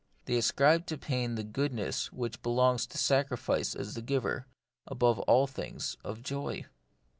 They ascribed to pain the good ness which belongs to sacrifice as the giver, above all other things, of joy.